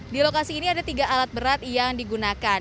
di lokasi ini ada tiga alat berat yang digunakan